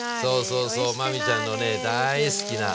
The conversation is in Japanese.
そうそう真海ちゃんのね大好きな。